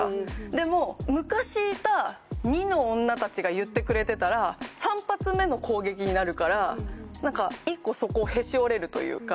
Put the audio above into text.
でも昔いた２の女たちが言ってくれてたら３発目の攻撃になるから１個そこをへし折れるというか。